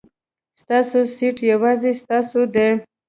ستاسو سېټ یوازې ستاسو دی.